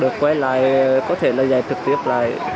được quay lại có thể là dạy trực tiếp lại